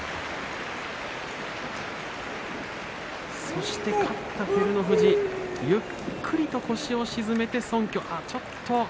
そして勝った照ノ富士ゆっくりと腰を沈めて、そんきょ。